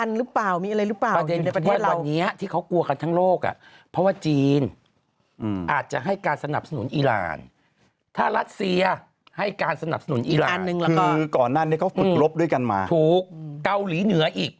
ถูกต่อหลีเหนืออีก